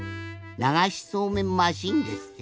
ながしそうめんマシーンですって？